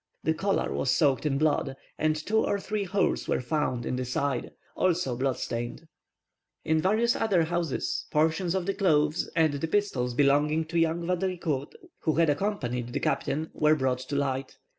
The collar was soaked in blood, and two or three holes were found in the side, also blood stained. In various other houses, portions of the clothes, and the pistols belonging to young Vaudricourt, who had accompanied the Captain, were brought to light.